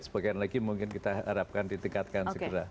sebagian lagi mungkin kita harapkan ditingkatkan segera